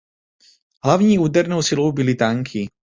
Hlavní údernou silou byly tanky.